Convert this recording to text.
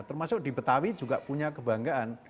termasuk di betawi juga punya kebanggaan